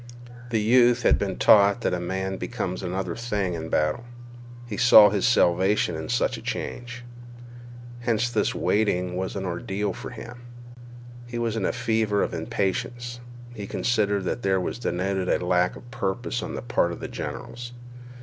The youth had been taught that a man became another thing in battle. He saw his salvation in such a change. Hence this waiting was an ordeal to him. He was in a fever of impatience. He considered that there was denoted a lack of purpose on the part of the generals.